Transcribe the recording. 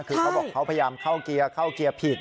คือเขาบอกเขาพยายามเข้าเกียร์เข้าเกียร์ผิด